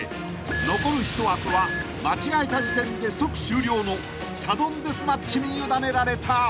［残る１枠は間違えた時点で即終了のサドンデスマッチに委ねられた］